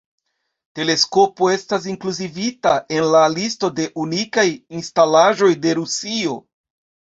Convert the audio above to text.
Teleskopo estas inkluzivita en la listo de unikaj instalaĵoj de Rusio.